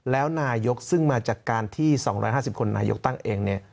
แล้วนายกซึ่งมาจากการที่๒๕๐คนนายกตั้งเองเนี่ย